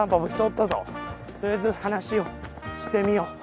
とりあえず話をしてみよう。